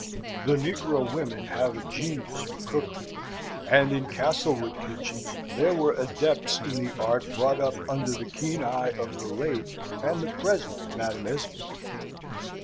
The negro women have a genius for cookery, and in Castlewood kitchens there were adepts in the art brought up under the keen eye of the late and the present Madam Esmond.